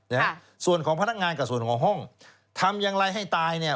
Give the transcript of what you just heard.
นะฮะส่วนของพนักงานกับส่วนของห้องทำอย่างไรให้ตายเนี่ย